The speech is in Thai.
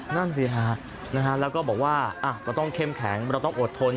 นั่นสิฮะแล้วก็บอกว่าเราต้องเข้มแข็งเราต้องอดทน